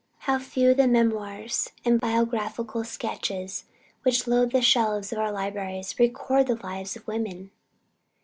How few of the memoirs and biographical sketches which load the shelves of our libraries, record the lives of women!